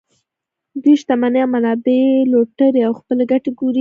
دوی شتمنۍ او منابع لوټوي او خپلې ګټې ګوري